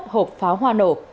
hai mươi một hộp pháo hoa nổ